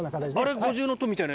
あれ五重塔のみたいな？